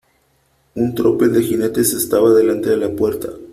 un tropel de jinetes estaba delante de la puerta .